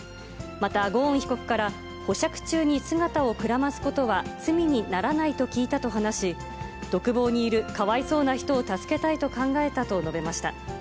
またゴーン被告から、保釈中に姿をくらますことは罪にならないと聞いたと話し、独房にいるかわいそうな人を助けたいと考えたと述べました。